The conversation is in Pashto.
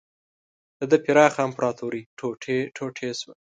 د ده پراخه امپراتوري ټوټې ټوټې شوه.